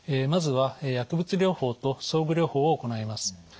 まずは薬物療法と装具療法を行います。